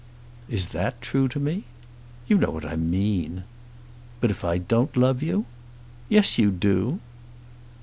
"Is that true to me?" "You know what I mean." "But if I don't love you?" "Yes, you do!"